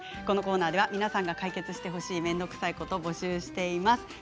このコーナーでは、皆さんが解決してほしい面倒くさいことを募集しています。